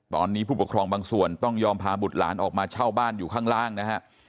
ตอนนี้ผู้ปกครองบางส่วนต้องยอมพาบุตรหลานออกมาเช่าบ้านอยู่ข้างล่างนะฮะ